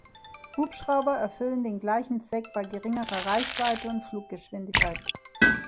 Hubschrauber erfüllen den gleichen Zweck bei geringerer Reichweite und Fluggeschwindigkeit.